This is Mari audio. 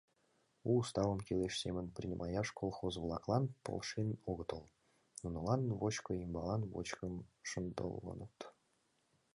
У уставым кӱлеш семын принимаяш колхоз-влаклан полшен огытыл, нунылан «вочко ӱмбалан вочкым» шындылыныт.